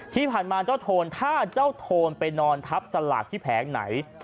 ที่ผ่านมาเจ้าโทนถ้าเจ้าโทนไปนอนทับสลากที่แผงไหน